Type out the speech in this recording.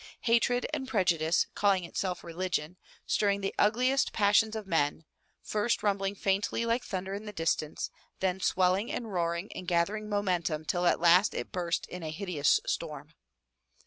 Hatred and prejudice, calling itself religion, stirring the ugliest passions of men — first rumbling faintly like thunder in the distance, then swelling and roaring and gathering momentum till at last it burst in a hideous storm.